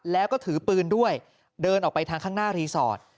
แล้วก็ถือปืนด้วยเดินออกไปทางข้างหน้ารีสอร์ท